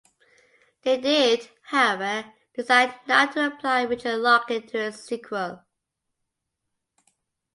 They did, however, decide not to apply region-locking to its sequel.